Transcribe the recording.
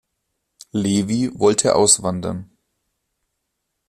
Levy wollte auswandern.